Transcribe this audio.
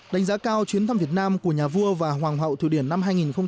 đánh giá cao chuyến thăm việt nam của nhà vua và hoàng hậu thụy điển năm hai nghìn bốn